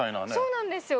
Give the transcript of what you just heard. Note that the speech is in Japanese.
そうなんですよ。